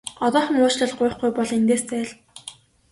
Одоохон уучлалт гуйхгүй бол эндээс зайл!